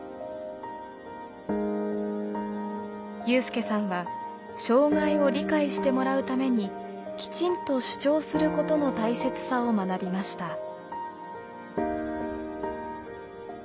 有さんは障害を理解してもらうためにきちんと主張することの大切さを学びました。